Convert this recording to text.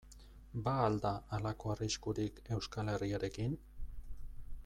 Ba al da halako arriskurik Euskal Herriarekin?